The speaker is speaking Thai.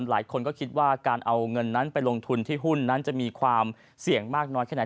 หลายคนก็คิดว่าการเอาเงินนั้นไปลงทุนที่หุ้นนั้นจะมีความเสี่ยงมากน้อยแค่ไหน